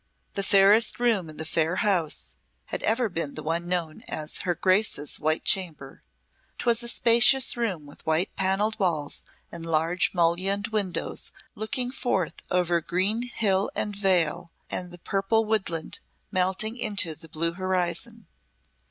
The fairest room in the fair house had ever been the one known as her Grace's White Chamber. 'Twas a spacious room with white panelled walls and large mullioned windows looking forth over green hill and vale and purple woodland melting into the blue horizon.